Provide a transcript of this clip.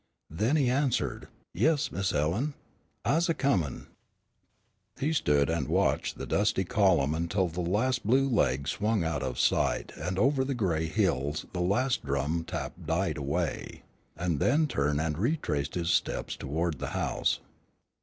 Then he answered, "Yes, Mis' Ellen, I's a comin'." He stood and watched the dusty column until the last blue leg swung out of sight and over the grey hills the last drum tap died away, and then turned and retraced his steps toward the house.